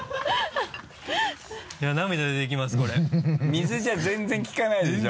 水じゃ全然効かないでしょ？